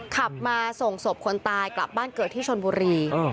ขับมาส่งศพคนตายกลับบ้านเกิดที่ชนบุรี